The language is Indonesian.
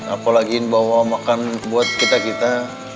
apalagi bawa makan buat kita kita